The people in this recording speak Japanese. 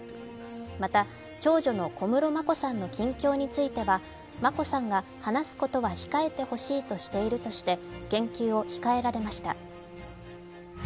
また長女の小室眞子さんの近況については眞子さんが話すことは控えてほしいとしているとして言及を控えられました。